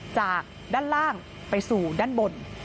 จากด้านล่างไปสู่ด้านบน